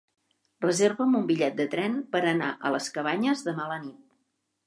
Reserva'm un bitllet de tren per anar a les Cabanyes demà a la nit.